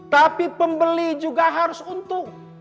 tapi pembeli juga harus untuk